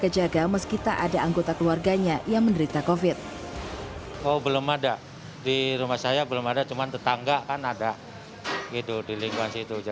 jadi kita untuk antisipasi saja